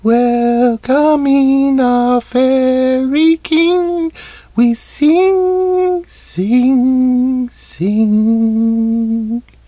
Welcoming our Fairy King, We sing, sing, sing."